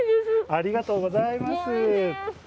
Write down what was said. ありがとうございます。